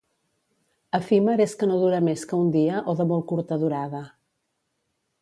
Efímer és que no dura més que un dia o de molt curta durada